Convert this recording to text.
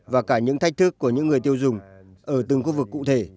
và cả những thách thức của những người tiêu dùng ở từng khu vực cụ thể